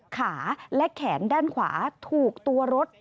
ขาและแขนด้านขวาถูกตัวรถ